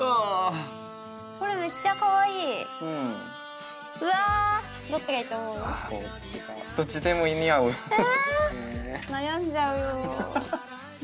これめっちゃかわいいうんうわえ